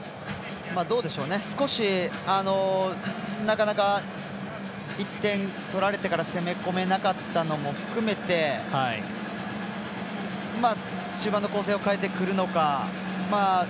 少し１点取られてから攻め込めなかったのも含めて、中盤の構成を変えてくるのか。